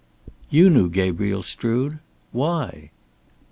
"You knew Gabriel Strood. Why?"